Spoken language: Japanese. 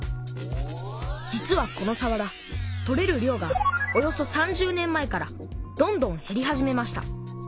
実はこのさわら取れる量がおよそ３０年前からどんどんへり始めました。